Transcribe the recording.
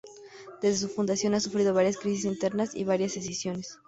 Desde su fundación ha sufrido varias crisis internas y varias escisiones.